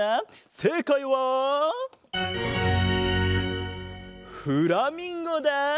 せいかいはフラミンゴだ。